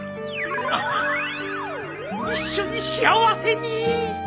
ああ一緒に幸せに。